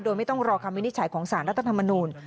โดยไม่ต้องรอคำวินิจฉัยของสารรัฐธรรมนูล